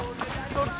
どっち？